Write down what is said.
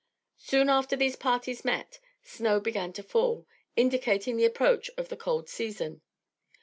Soon after these parties met, snow began to fall, indicating the approach of the cold season.